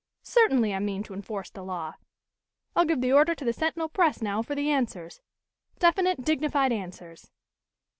Certainly I mean to enforce the law. I'll give the order to the Sentinel press now for the answers definite, dignified answers."